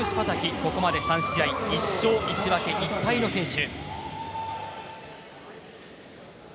ここまで３試合１勝１分け１敗の選手。